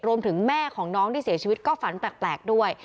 แม่ของน้องที่เสียชีวิตก็ฝันแปลกด้วย